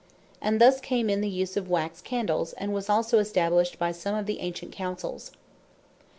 And thus came in the use of Wax Candles; and was also established by some of the ancient Councells.